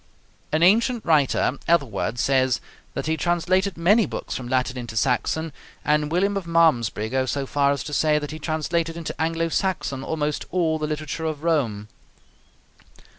An ancient writer, Ethelwerd, says that he translated many books from Latin into Saxon, and William of Malmesbury goes so far as to say that he translated into Anglo Saxon almost all the literature of Rome.